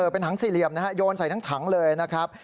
เป็นถังสี่เหลี่ยมนะฮะโยนใส่ทั้งถังเลยนะครับ